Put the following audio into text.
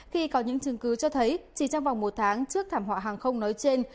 khi có những chứng cứ cho thấy chỉ trong vòng một tháng trước thảm họa hàng không nói trên